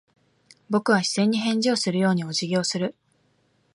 僕は視線に返事をするようにお辞儀をする。